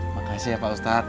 makasih ya pak ustadz